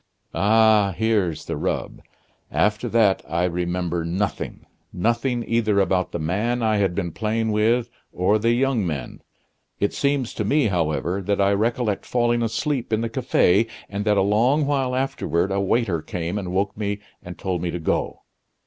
"Ah! here's the rub. After that I remember nothing nothing either about the man I had been playing with or the young men. It seems to me, however, that I recollect falling asleep in the cafe, and that a long while afterward a waiter came and woke me and told me to go.